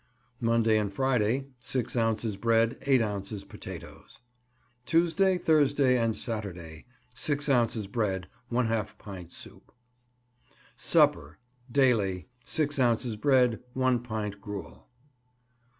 Monday and Friday 6 ounces bread, 8 ounces potatoes. Tuesday, Thursday and Saturday 6 ounces bread, ½ pint soup. Supper Daily 6 ounces bread, 1 pint gruel.